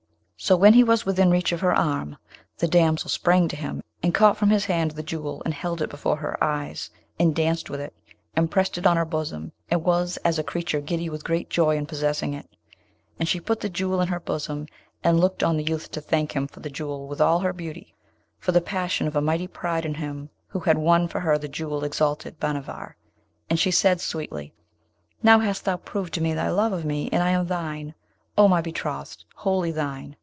So when he was within reach of her arm, the damsel sprang to him and caught from his hand the Jewel, and held it before her eyes, and danced with it, and pressed it on her bosom, and was as a creature giddy with great joy in possessing it. And she put the Jewel in her bosom, and looked on the youth to thank him for the Jewel with all her beauty; for the passion of a mighty pride in him who had won for her the Jewel exalted Bhanavar, and she said sweetly, 'Now hast thou proved to me thy love of me, and I am thine, O my betrothed, wholly thine.